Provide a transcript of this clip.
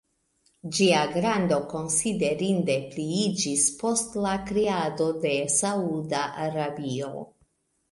Ĝia grando konsiderinde pliiĝis post la kreado de Sauda Arabio.